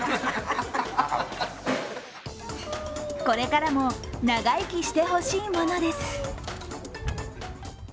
これからも長生きしてほしいものです。